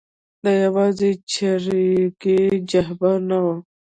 دا یوازې چریکي جبهه نه وه.